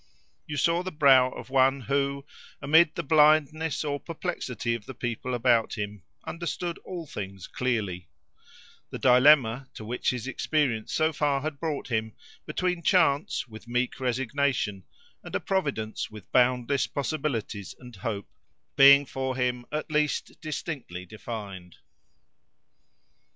You saw the brow of one who, amid the blindness or perplexity of the people about him, understood all things clearly; the dilemma, to which his experience so far had brought him, between Chance with meek resignation, and a Providence with boundless possibilities and hope, being for him at least distinctly defined.